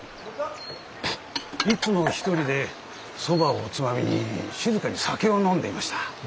いつも一人でそばをつまみに静かに酒を飲んでいました。